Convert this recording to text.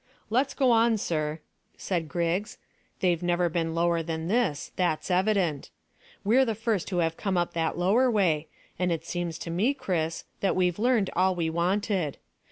"Let's go on, sir," said Griggs. "They've never been lower than this; that's evident. We're the first who have come up that lower way, and it seems to me, Chris, that we've learned all we wanted.